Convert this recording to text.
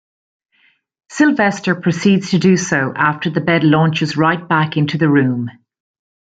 Sylvester proceeds to do so after the bed launches right back into the room.